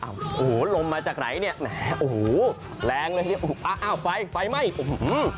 โอ้โหลมมาจากไหลเนี่ยแรงเลยเนี่ยไฟไหม้